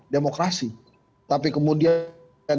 demokrasi tapi kemudian